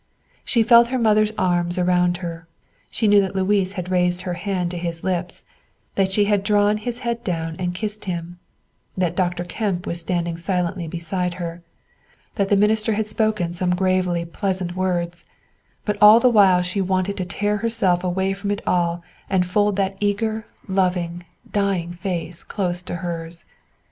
She felt her mother's arms around her; she knew that Louis had raised her hand to his lips, that she had drawn his head down and kissed him, that Dr. Kemp was standing silently beside her, that the minister had spoken some gravely pleasant words; but all the while she wanted to tear herself away from it all and fold that eager, loving, dying face close to hers.